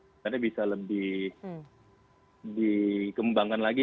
sebenarnya bisa lebih dikembangkan lagi